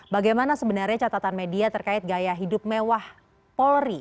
bagaimana sebenarnya catatan media terkait gaya hidup mewah polri